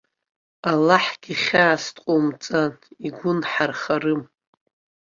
Аллаҳгьы хьаас дҟоумҵан, игәы нҳархарым.